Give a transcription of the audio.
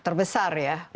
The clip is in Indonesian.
terbesar ya betul